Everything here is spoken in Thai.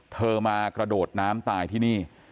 เธอมากระโดดน้ำตายที่นี่